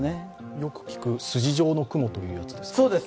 よく聞く筋状の雲というやつですか？